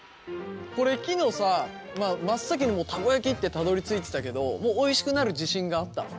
これきのさ真っ先にもうたこ焼きってたどりついてたけどもうおいしくなる自信があったの？